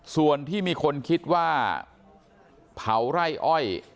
ส่วนที่มีคนคิดว่าเผาไร่อ้อย